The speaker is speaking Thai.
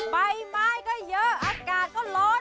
ใบไม้ก็เยอะอากาศก็ร้อน